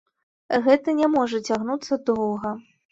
Гэта не можа цягнуцца доўга.